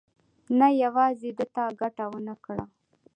نه یوازې ده ته ګټه ونه کړه.